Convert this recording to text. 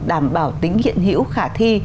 đảm bảo tính hiện hữu khả thi